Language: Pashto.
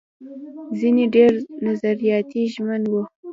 ځينې ډېر نظریاتي ژمن وو.